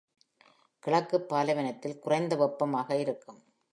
கிழக்கு பாலைவனத்தில், குறைந்த வெப்பமாக இருக்கும்.